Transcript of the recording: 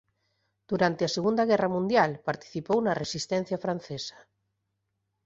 Durante a Segunda Guerra Mundial participou na Resistencia francesa.